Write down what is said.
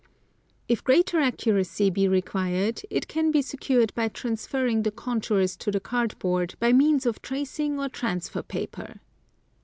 If greater accuracy be required, it can be secured by transferring the contours to the card board by means of tracing or transfer paper.